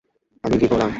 আমি কি করলাম?